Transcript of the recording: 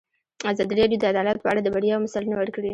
ازادي راډیو د عدالت په اړه د بریاوو مثالونه ورکړي.